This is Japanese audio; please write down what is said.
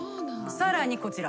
さらにこちら。